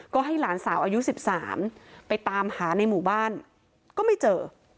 ก็ให้หลานสาวอายุ๑๓ไปตามหาในหมู่บ้านก็ไม่เจอ